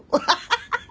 ハハハハ！